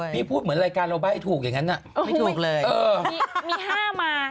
พูดเหมือนรายการเราใบ้ถูกอย่างนั้นอ่ะไม่ถูกเลยเออมี๕มา